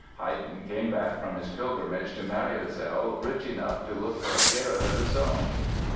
Haydn came back from his pilgrimage to Mariazell rich enough to look for a garret of his own.